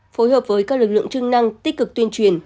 phối hợp với các lực lượng chức năng tích cực tuyên truyền